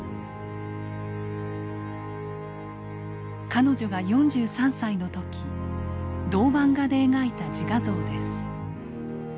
彼女が４３歳の時銅版画で描いた自画像です。